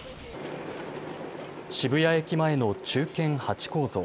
渋谷駅前の忠犬ハチ公像。